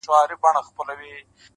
په توره کار دومره سم نسي مگر-